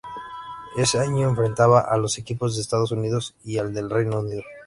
Ese año enfrentaba a los equipos de Estados Unidos y al del Reino Unido.